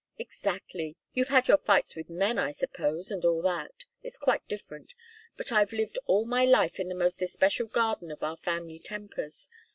"Exactly. You've had your fights with men, I suppose, and all that. It's quite different. But I've lived all my life in the most especial garden of our family tempers.